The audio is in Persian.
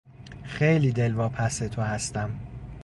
خیلی دلواپس تو هستم!